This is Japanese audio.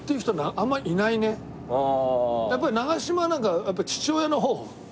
やっぱり長嶋はなんか父親の方。